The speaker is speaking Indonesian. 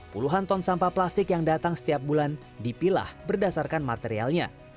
puluhan ton sampah plastik yang datang setiap bulan dipilah berdasarkan materialnya